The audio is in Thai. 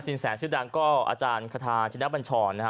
สินแสชื่อดังก็อาจารย์คตาชิญตะเป็นชร